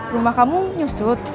rumah kamu nyusut